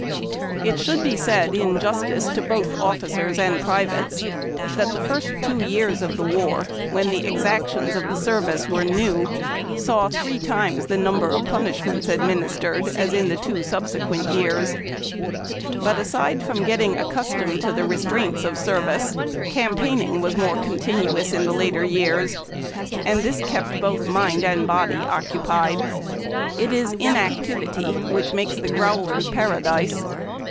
It should be said, in justice to both officers and privates, that the first two years of the war, when the exactions of the service were new, saw three times the number of punish ments administered in the two subsequent years ; but, aside from the getting accustomed to the restraints of the service, campaigning was more contin uous in the later years, and this kept both mind and body occupied. It is inactivity which makes the growler's para dise.